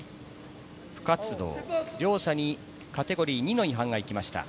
不活動、両者にカテゴリー２の違反が行きました。